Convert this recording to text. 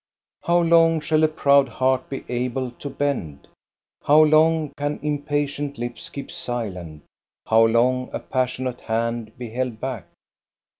How long shall a proud heart be able to bend? How long can impatient lips keep silent; how long a passionate hand be held back?